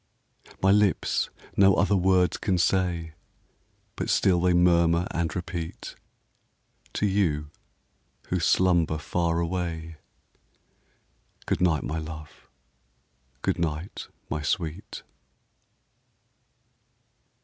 My lips no other words can say, But still they murmur and repeat To you, who slumber far away, Good night, my love! good night, my sweet!